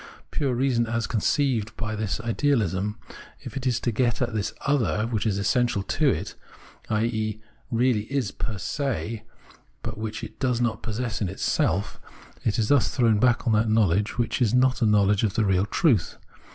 Pure reason as conceived by this ideahsm, if it is to get at this " other " which is essential to it, i.e. really is per se, but which it does not possess in itself — is thus thrown back on that knowledge which is not a knowledge of the real truth.